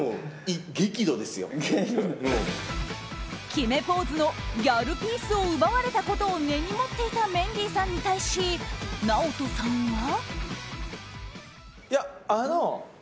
決めポーズのギャルピースを奪われたことを根に持っていたメンディーさんに対しＮＡＯＴＯさんは。